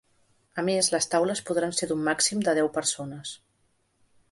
A més, les taules podran ser d’un màxim de deu persones.